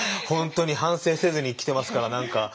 本当に反省せずに来てますから何か。